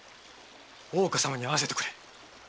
大岡様に会わせてくれ。